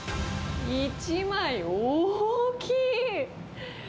１枚、大きい！